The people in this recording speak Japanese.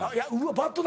バットと。